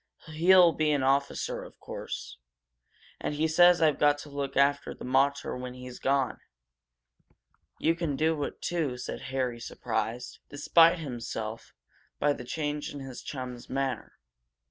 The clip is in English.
He'll be an officer, of course. And he says I've got to look after the mater when he's gone." "You can do it, too," said Harry, surprised, despite himself, by the change in his chum's manner.